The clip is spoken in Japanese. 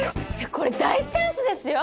これ大チャンスですよ！